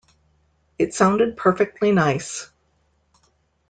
It sounded perfectly nice.